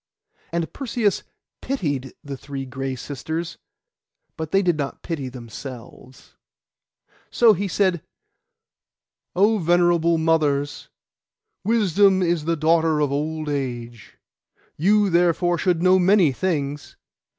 And Perseus pitied the three Gray Sisters; but they did not pity themselves. So he said, 'Oh, venerable mothers, wisdom is the daughter of old age. You therefore should know many things.